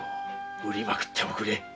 売りまくっておくれ。